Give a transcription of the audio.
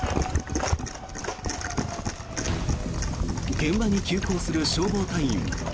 現場に急行する消防隊員。